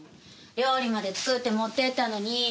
料理まで作って持ってったのに。